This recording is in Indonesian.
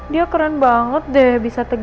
dia keren banget deh bisa tegas